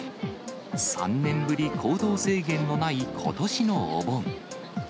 ３年ぶり行動制限のないことしのお盆。